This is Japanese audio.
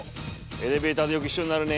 エレベーターでよく一緒になるね。